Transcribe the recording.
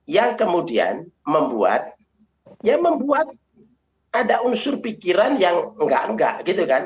yang kemudian membuat ya membuat ada unsur pikiran yang enggak enggak gitu kan